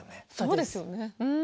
そうですよね。